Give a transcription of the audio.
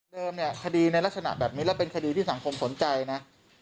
เนี่ยคดีในลักษณะแบบนี้แล้วเป็นคดีที่สังคมสนใจนะ